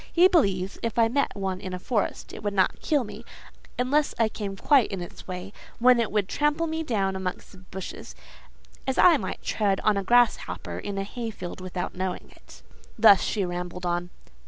He believes, if I met one in a forest, it would not kill me, unless I came quite in its way; when it would trample me down amongst the bushes, as I might tread on a grasshopper in a hayfield without knowing it." Thus she rambled on.